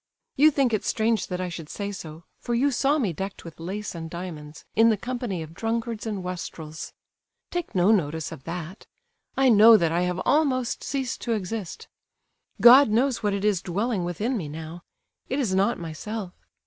You think it strange that I should say so, for you saw me decked with lace and diamonds, in the company of drunkards and wastrels. Take no notice of that; I know that I have almost ceased to exist. God knows what it is dwelling within me now—it is not myself.